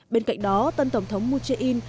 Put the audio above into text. bên cạnh đó tân tổng thống moon jae in